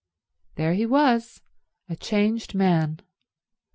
There he was, a changed man.